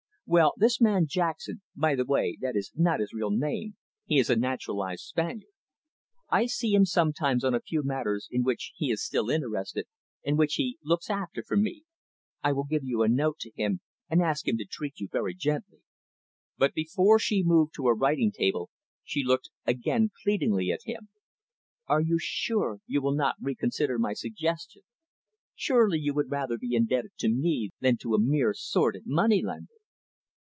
Well, this man Jackson; by the way, that is not his real name, he is a naturalised Spaniard. I see him sometimes on a few matters in which he is still interested, and which he looks after for me. I will give you a note to him, and ask him to treat you very gently." But, before she moved to her writing table, she again looked pleadingly at him. "Are you sure you will not reconsider my suggestion? Surely you would rather be indebted to me than to a mere sordid moneylender?"